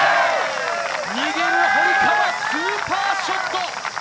逃げる堀川、スーパーショット！